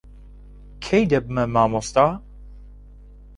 کەی دەبمە مامۆستا؟